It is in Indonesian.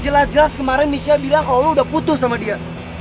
jelas jelas kemarin michelle bilang kalau lo udah putus sama dia